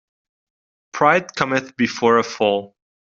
Pride cometh before a fall.